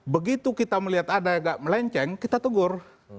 begitu kita melihat ada yang agak melenceng kita tegur